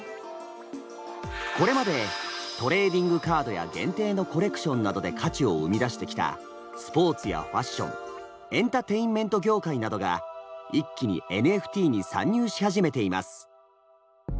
これまでトレーディングカードや限定のコレクションなどで価値を生み出してきたスポーツやファッションエンターテインメント業界などが一気にＮＦＴに参入し始めています。